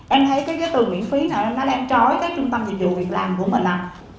em thấy cái từ miễn phí này nó đem trói các trung tâm dịch vụ việc làm của mình ạ